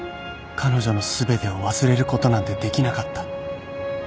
彼女の全てを忘れることなんてできなかった